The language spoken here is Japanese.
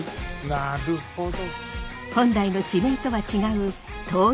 なるほど。